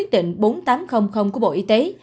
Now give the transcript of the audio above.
định bốn nghìn tám trăm linh của bộ y tế